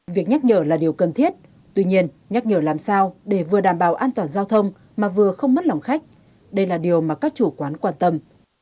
việc nhắc nhở là điều cần thiết tuy nhiên nhắc nhở làm sao để vừa đảm bảo an toàn giao thông mà vừa không mất lòng khách đây là điều mà các chủ quán quan tâm